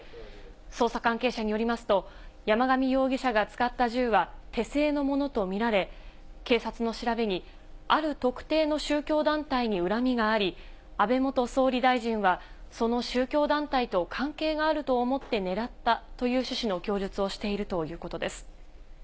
捜査関係者によりますと、山上容疑者が使った銃は、手製のものと見られ、警察の調べに、ある特定の宗教団体に恨みがあり、安倍元総理大臣はその宗教団体と関係があると思って狙ったという趣旨の供述をしているということです。